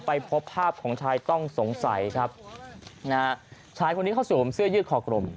ไปพบภาพของชายต้องสงสัยครับนะฮะชายคนนี้เขาสวมเสื้อยืดคอกลม